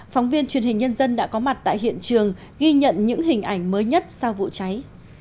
phóng viên truyền hình nhân dân đã có mặt tại hiện trường ghi nhận những hình ảnh mới nhất sau vụ cháy